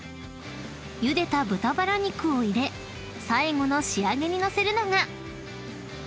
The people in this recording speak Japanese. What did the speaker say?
［ゆでた豚バラ肉を入れ最後の仕上げに載せるのが］